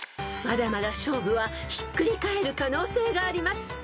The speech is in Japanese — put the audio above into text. ［まだまだ勝負はひっくり返る可能性があります］